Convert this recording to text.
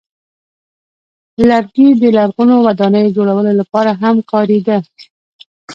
لرګی د لرغونو ودانیو جوړولو لپاره هم کارېده.